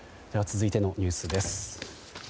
続いてのニュースです。